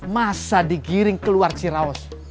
masa digiring keluar ciraos